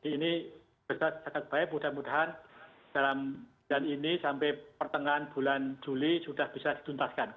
ini besar sangat baik mudah mudahan dalam bulan ini sampai pertengahan bulan juli sudah bisa dituntaskan